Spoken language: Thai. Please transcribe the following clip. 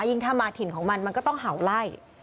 ยิ่งถ้ามาถิ่นของมันมันก็ต้องเห่าไล่